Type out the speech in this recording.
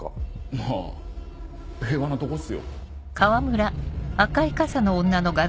まぁ平和なとこっすよ。